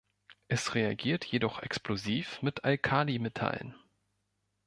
Es reagiert jedoch explosiv mit Alkalimetallen.